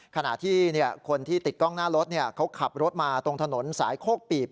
ขณะที่คนที่ติดกล้องหน้ารถเขาขับรถมาตรงถนนสายโคกปีบ